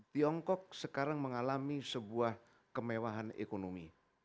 tiongkok sekarang mengalami sebuah kemewahan ekonomi